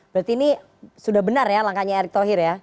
berarti ini sudah benar ya langkahnya erick thohir ya